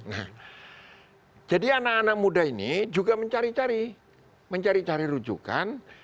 nah jadi anak anak muda ini juga mencari cari mencari cari rujukan